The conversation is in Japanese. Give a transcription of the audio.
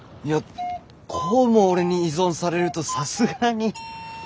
いやこうも俺に依存されるとさすがに。